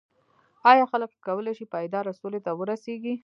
ایا خلک کولای شي پایداره سولې ته ورسیږي؟